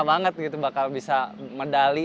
banget gitu bakal bisa medali